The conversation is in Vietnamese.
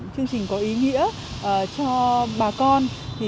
chương trình có ý nghĩa cho bà con